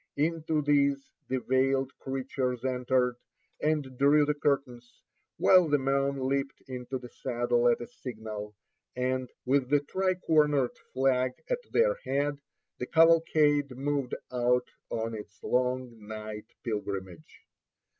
Into these the veiled creatures entered, and drew the curtains, while the men leaped into the saddle at a signal, and, with the tri cornered flag at their head, the cavalcade moved out on its long night pilgrimage.